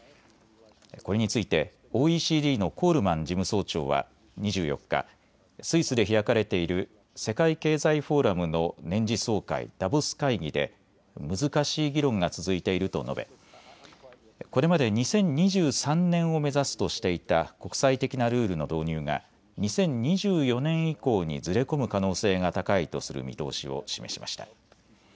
これについてＯＥＣＤのコールマン事務総長は２４日、スイスで開かれている世界経済フォーラムの年次総会、ダボス会議で難しい議論が続いていると述べこれまで２０２３年を目指すとしていた国際的なルールの導入が２０２４年以降にずれ込む可能性が高いとする見通しを示しました。